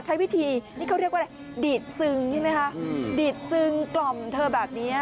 ใช้วิธีนี่เขาเรียกว่าอะไรดีดซึงใช่ไหมคะดีดซึงกล่อมเธอแบบนี้